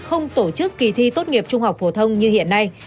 không tổ chức kỳ thi tốt nghiệp trung học phổ thông như hiện nay